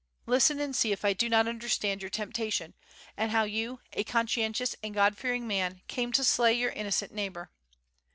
Listen and see if I do not understand your temptation, and how you, a conscientious and God fearing man, came to slay your innocent neighbour.